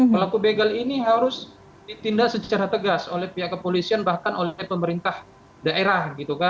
pelaku begal ini harus ditindak secara tegas oleh pihak kepolisian bahkan oleh pemerintah daerah